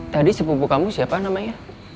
tadi sepupu kamu siapa namanya